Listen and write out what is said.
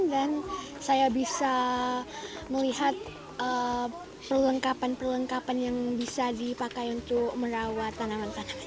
dan saya bisa melihat perlengkapan perlengkapan yang bisa dipakai untuk merawat tanaman tanaman